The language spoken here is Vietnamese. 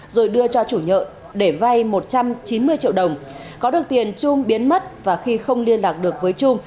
rồi đưa cho chủ nhợ để vai một trăm chín mươi triệu đồng có được tiền trung biến mất và khi không liên lạc được với trung